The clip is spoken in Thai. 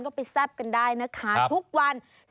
ก็ไปแซ่บกันได้นะคะทุกวัน